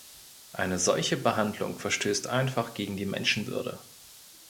Eine solche Behandlung verstößt einfach gegen die Menschenwürde.